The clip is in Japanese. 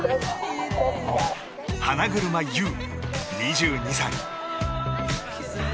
花車優、２２歳。